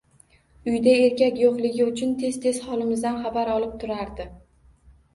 Uyda erkak yo`qligi uchun tez-tez holimizdan xabar olib turardi